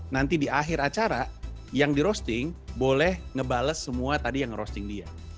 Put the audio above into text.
nanti di akhir acara yang di roasting boleh ngebales semua tadi yang roasting dia